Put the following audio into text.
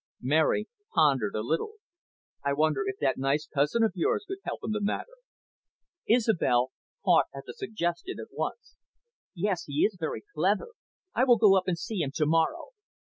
Mary pondered a little. "I wonder if that nice cousin of yours could help in the matter?" Isobel caught at the suggestion at once. "Yes, he is very clever. I will go up and see him to morrow."